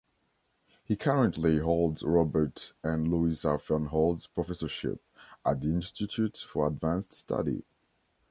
He currently holds Robert and Luisa Fernholz Professorship at the Institute for Advanced Study.